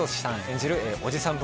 演じるおじさん